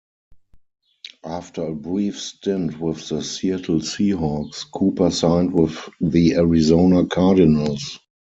After a brief stint with the Seattle Seahawks, Cooper signed with the Arizona Cardinals.